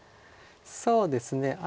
そうですね。